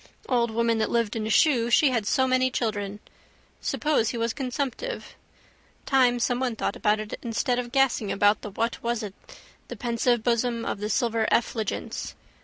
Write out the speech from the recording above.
Old woman that lived in a shoe she had so many children. Suppose he was consumptive. Time someone thought about it instead of gassing about the what was it the pensive bosom of the silver effulgence.